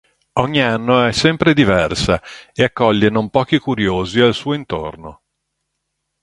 Ogni anno è sempre diversa e accoglie non pochi curiosi al suo intorno.